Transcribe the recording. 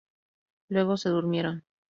Luego se durmieron.